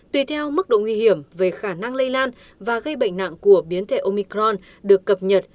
tùy theo mức độ nguy hiểm về khả năng lây lan và gây bệnh nặng của biến thể omicron được cập nhật